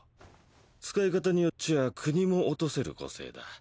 使い方によっちゃ国も堕とせる個性だ。